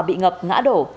bị ngập ngã đổ